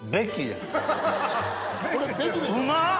うまっ！